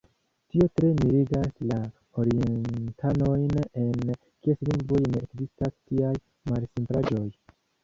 Tio tre mirigas la orientanojn, en kies lingvoj ne ekzistas tiaj malsimplaĵoj.